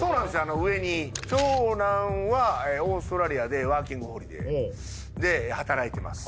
上に長男はオーストラリアでワーキングホリデーで働いてます